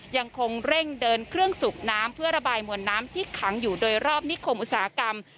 ยังคงเร่งเดินเครื่องสูบน้ำเพื่อระบายมวลน้ำที่ขังอยู่โดยรอบนิคมอุตสาหกรรม